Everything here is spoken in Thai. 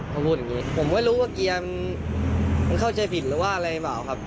เขาพูดอย่างนี้ผมไม่รู้ว่าเกียร์มันเข้าใจผิดหรือว่าอะไรหรือเปล่าครับ